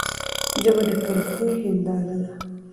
ژبه د کلتور هنداره ده.